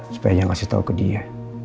supaya dia nggak kasih tau ke dia